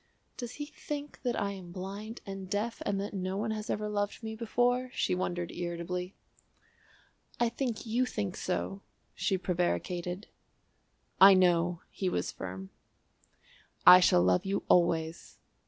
("Does he think that I am blind and deaf and that no one has ever loved me before?" she wondered irritably.) "I think you think so," she prevaricated. "I know," he was firm. "I shall love you always."